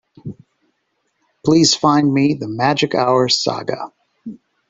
Please find me the Magic Hour saga.